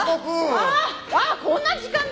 あっこんな時間だ！